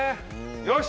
よし！